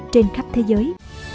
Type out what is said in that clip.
trên khắp thế giới